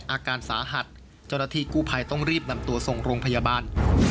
อาการสาหัสเจ้าหน้าที่กู้ภัยต้องรีบนำตัวส่งโรงพยาบาล